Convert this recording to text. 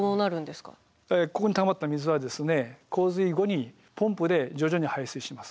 ここにたまった水は洪水後にポンプで徐々に排水します。